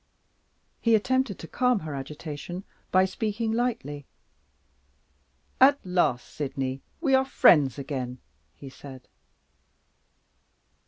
He attempted to calm her agitation by speaking lightly. "At last, Sydney, we are friends again!" he said.